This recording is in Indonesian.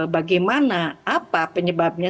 bagaimana apa penyebabnya